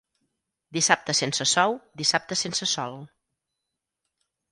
Dissabte sense sou, dissabte sense sol.